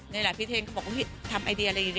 ในหลายพิเทศเขาบอกว่าพี่ทำไอเดียอะไรอย่างนี้